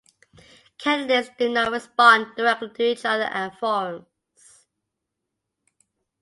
Candidates do not respond directly to each other at forums.